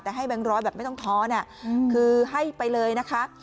แต่ให้แบงค์ร้อยแบบไม่ต้องท้อน่ะคือให้ไปเลยนะคะ